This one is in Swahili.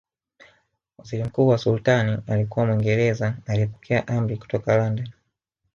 Waziri mkuu wa Sultani alikuwa Mwingereza aliyepokea amri kutoka London